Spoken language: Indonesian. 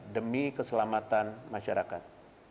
demi keselamatan masyarakat